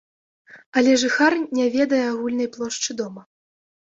Але жыхар не ведае агульнай плошчы дома.